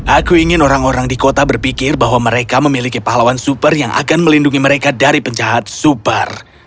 aku ingin orang orang di kota berpikir bahwa mereka memiliki pahlawan super yang akan melindungi mereka dari penjahat super